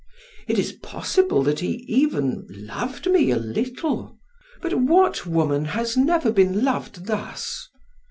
It is possible that he even loved me a little. But what woman has never been loved thus?